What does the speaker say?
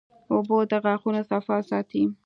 اوبه د غاښونو صفا ساتي